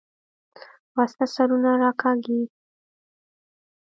وسله سرونه راکاږي